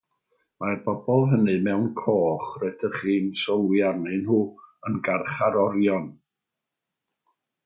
Mae'r bobl hynny mewn coch rydych chi'n sylwi arnyn nhw yn garcharorion.